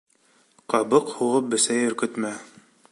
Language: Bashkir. Ҡабыҡ һуғып бесәй өркөтмә.